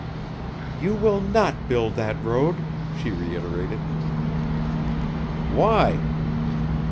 "You will not build that road," she reiterated. "Why?"